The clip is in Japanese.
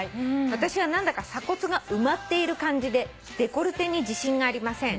「私は何だか鎖骨が埋まっている感じでデコルテに自信がありません」